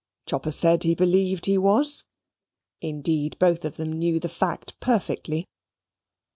Chopper said he believed he was. Indeed both of them knew the fact perfectly.